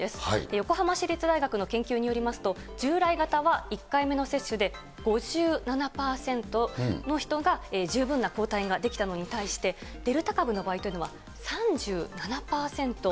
横浜市立大学の研究によりますと、従来型は１回目の接種で５７％の人が十分な抗体が出来たのに対して、デルタ株の場合というのは、３７％。